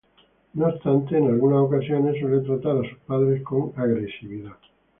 No obstante, en algunas ocasiones suele tratar a sus padres con agresividad.